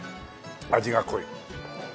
味が濃い。